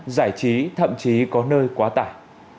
giải trí thậm chí có nơi quá tải